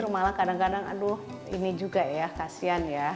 malah kadang kadang aduh ini juga ya kasihan ya